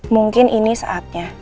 mungkin ini saatnya